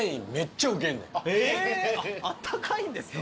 あったかいんですか？